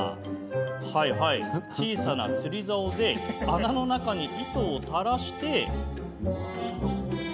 はいはい、小さな釣りざおで穴の中に糸を垂らして。